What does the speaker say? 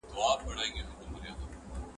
کوم هیواد غواړي بشري حقونه نور هم پراخ کړي؟